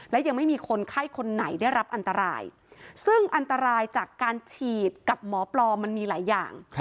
และยังไม่มีคนไข้คนไหนได้รับอันตรายซึ่งอันตรายจากการฉีดกับหมอปลอมมันมีหลายอย่าง